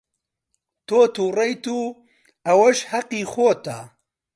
تۆ تووڕەیت و ئەوەش هەقی خۆتە.